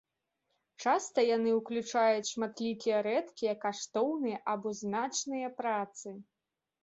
Часта яны ўключаюць шматлікія рэдкія, каштоўныя, або значныя працы.